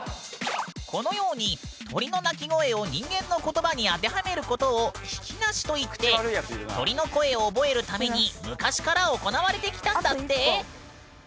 このように鳥の鳴き声を人間の言葉に当てはめることを「聞きなし」といって鳥の声を覚えるために昔から行われてきたんだって。